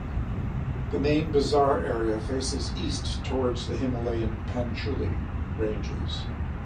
The main bazaar area faces east towards the himalayan Panchachuli ranges.